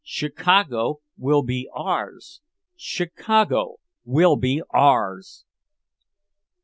_ Chicago will be ours! CHICAGO WILL BE OURS!"